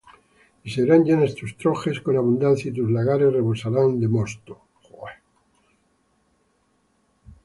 Y serán llenas tus trojes con abundancia, Y tus lagares rebosarán de mosto.